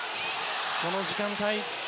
この時間帯